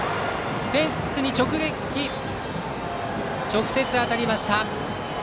フェンスに直接当たりました。